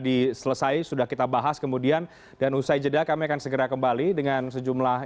diselesai sudah kita bahas kemudian dan usai jeda kami akan segera kembali dengan sejumlah